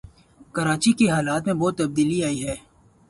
کراچی کے حالات میں بہت تبدیلی آئی ہے